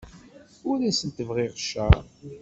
Ur asent-bɣiɣ cceṛ.